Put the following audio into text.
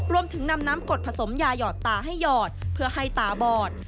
รวมถึงนำน้ำกดผสมยาหยอดตาให้หยอดเพื่อให้ตาบอด